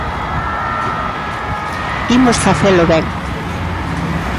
Imos facelo ben.